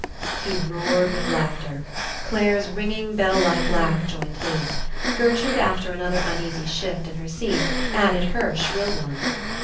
He roared with laughter. Clare's ring ing bell like laugh joined his. Gertrude after another uneasy shift in her seat added her shrill one.